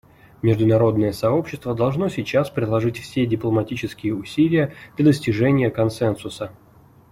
Международное сообщество должно сейчас приложить все дипломатические усилия для достижения консенсуса.